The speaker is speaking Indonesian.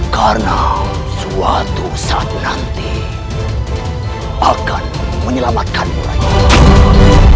karena suatu saat nanti akan menyelamatkanmu